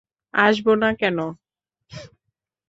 আসবো না কেন?